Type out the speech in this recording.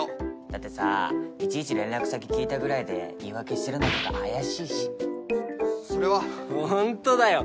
だってさいちいち連絡先聞いたぐらいで言い訳してるのとか怪しいしそれは本当だよ